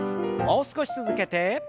もう少し続けて。